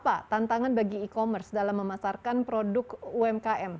apa tantangan bagi e commerce dalam memasarkan produk umkm